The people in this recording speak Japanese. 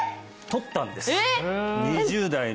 取ったんです